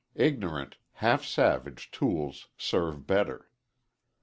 Ignorant, half savage tools serve better.